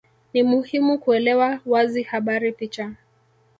Ni muhimu kuelewa wazi habari picha